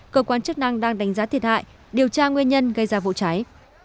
cơ quan chức năng đang đánh giá thiệt hại điều tra nguyên nhân gây ra vụ cháy